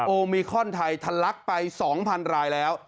โอมิคอนไทยทะลักไป๒๐๐๐รายแล้ว